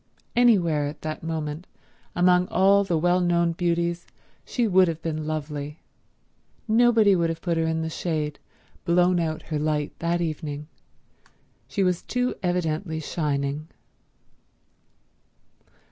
Anywhere at that moment, among all the well known beauties, she would have been lovely. Nobody could have put her in the shade, blown out her light that evening; she was too evidently shining.